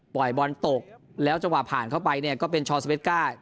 บอลตกแล้วจังหวะผ่านเข้าไปเนี่ยก็เป็นชอสเวสก้า